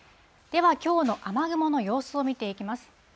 では、きょうの雨雲の様子を見ていきます。